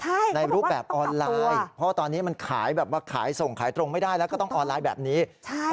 ใช่ในรูปแบบออนไลน์เพราะว่าตอนนี้มันขายแบบว่าขายส่งขายตรงไม่ได้แล้วก็ต้องออนไลน์แบบนี้ใช่